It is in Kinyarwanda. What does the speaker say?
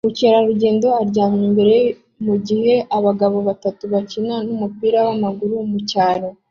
Umukerarugendo aryamye imbere mu gihe abagabo batatu bakina n'umupira w'amaguru mu cyaro